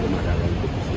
itu sementara belum